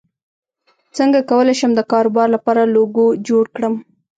څنګه کولی شم د کاروبار لپاره لوګو جوړ کړم